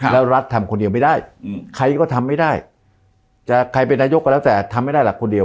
แล้วรัฐทำคนเดียวไม่ได้ใครก็ทำไม่ได้จะใครเป็นนายกก็แล้วแต่ทำไม่ได้หลักคนเดียว